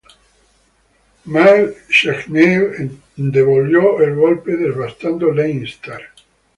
Máel Sechnaill entonces devolvió el golpe devastando Leinster.